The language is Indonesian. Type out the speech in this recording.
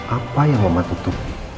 apa yang mematuhi